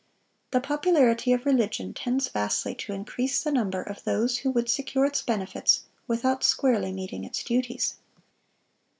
"The popularity of religion tends vastly to increase the number of those who would secure its benefits without squarely meeting its duties."